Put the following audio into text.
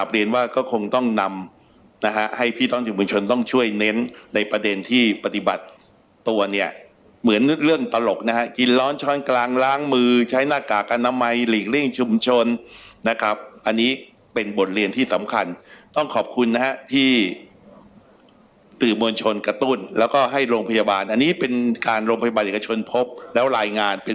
เรียนว่าก็คงต้องนำนะฮะให้พี่น้องชุมชนต้องช่วยเน้นในประเด็นที่ปฏิบัติตัวเนี่ยเหมือนเรื่องตลกนะฮะกินร้อนช้อนกลางล้างมือใช้หน้ากากอนามัยหลีกเลี่ยงชุมชนนะครับอันนี้เป็นบทเรียนที่สำคัญต้องขอบคุณนะฮะที่สื่อมวลชนกระตุ้นแล้วก็ให้โรงพยาบาลอันนี้เป็นการโรงพยาบาลเอกชนพบแล้วรายงานเป็น